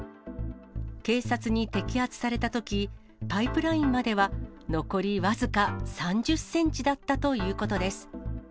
警察に摘発されたとき、パイプラインまでは残り僅か３０センチだったということです。